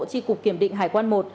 tri cục kiểm định hải quan i